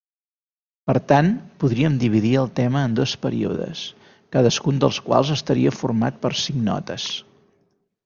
Per tant, podríem dividir el tema en dos períodes, cadascun dels quals estaria format per cinc notes.